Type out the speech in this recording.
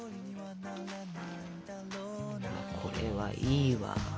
これはいいわ。